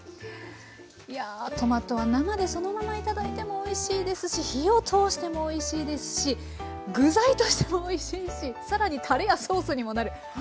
いやトマトは生でそのまま頂いてもおいしいですし火を通してもおいしいですし具材としてもおいしいし更にたれやソースにもなる。